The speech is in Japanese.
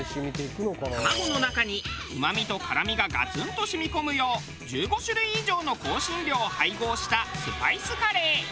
卵の中にうまみと辛みがガツンと染み込むよう１５種類以上の香辛料を配合したスパイスカレー。